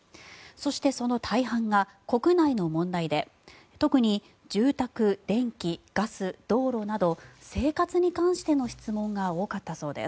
そしてその大半が国内の問題で特に住宅、電気・ガス、道路など生活に関しての質問が多かったそうです。